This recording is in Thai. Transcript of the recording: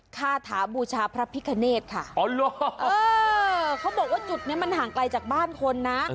ค่าถาบูชาพระพิคเนธค่ะเขาบอกว่าจุดนี้มันห่างไกลจากบ้านคนนะ